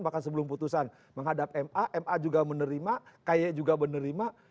bahkan sebelum putusan menghadap ma ma juga menerima ky juga menerima